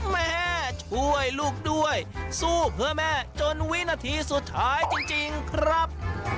แม่ช่วยลูกด้วยสู้เพื่อแม่จนวินาทีสุดท้ายจริงครับ